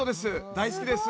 大好きです。